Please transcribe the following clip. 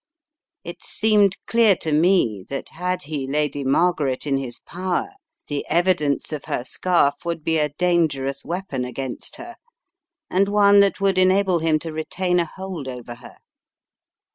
It seemed clear to me that had he Lady Margaret in his power, the evidence of her scarf would be a dangerous weapon against her, and one that would enable him to retain a hold over her.